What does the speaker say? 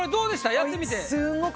やってみて。